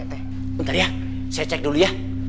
sebentar ya saya cek dulu ya